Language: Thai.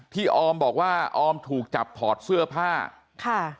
ออมบอกว่าออมถูกจับถอดเสื้อผ้าค่ะ